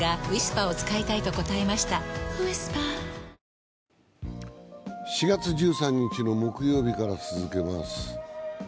ニトリ４月１３日の木曜日から続けます。